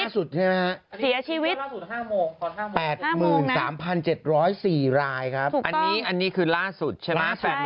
สีอาชีวิต๘๓๗๐๔รายครับอันนี้คือล่าสุดใช่ไหมครับ